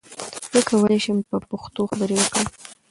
زه کولی سم چې په پښتو خبرې وکړم.